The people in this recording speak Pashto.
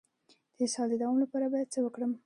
د اسهال د دوام لپاره باید څه وکړم؟